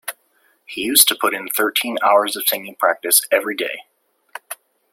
He used to put in thirteen hours of singing practice every day.